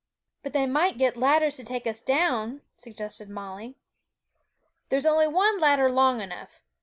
'But they might get ladders to take us down,' suggested Molly. 'There's only one ladder long enough.